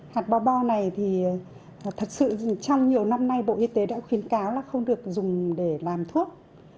hạt bò bo này thì thật sự trong nhiều năm nay bộ y tế đã khuyến cáo là không được dùng để làm thuốc